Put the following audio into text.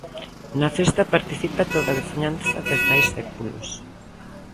Na festa participa toda a veciñanza desde hai séculos.